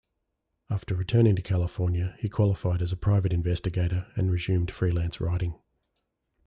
After returning to California, he qualified as a private investigator, and resumed freelance writing.